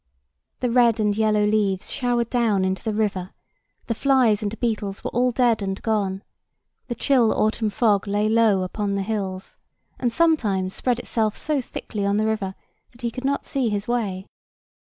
The red and yellow leaves showered down into the river; the flies and beetles were all dead and gone; the chill autumn fog lay low upon the hills, and sometimes spread itself so thickly on the river that he could not see his way.